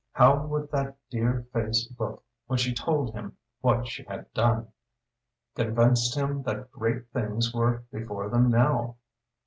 How would that dear face look when she told him what she had done? Convinced him that great things were before him now?